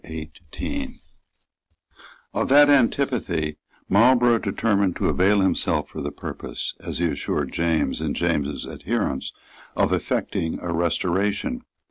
Of that antipathy Marlborough determined to avail himself for the purpose, as he assured James and James's adherents, of effecting a restoration.